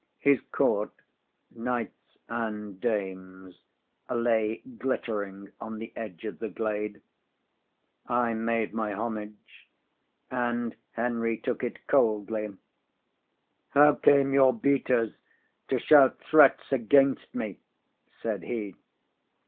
His Court knights and dames lay glittering on the edge of the glade. I made my homage, and Henry took it coldly. ŌĆśŌĆ£How came your beaters to shout threats against me? ŌĆØ said he.